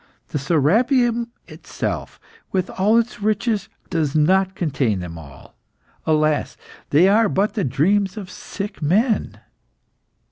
The Serapeium itself, with all its riches, does not contain them all. Alas! they are but the dreams of sick men."